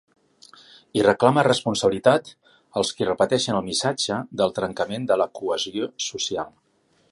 I reclama ‘responsabilitat’, als qui repeteixen el missatge del trencament de la cohesió social.